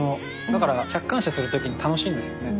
だから客観視するときに楽しいんですよね。